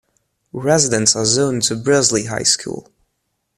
Residents are zoned to Brusly High School.